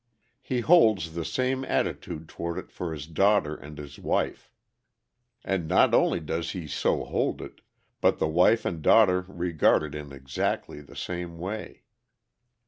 He holds the same attitude toward it for his daughter and his wife. And not only does he so hold it, but the wife and daughter regard it in exactly the same way.